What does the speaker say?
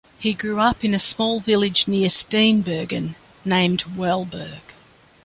He grew up in a small village nearby Steenbergen named Welberg.